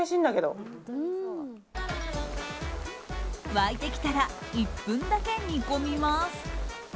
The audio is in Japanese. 沸いてきたら１分だけ煮込みます。